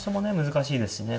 難しいですしね